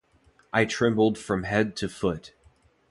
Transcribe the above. I trembled from head to foot.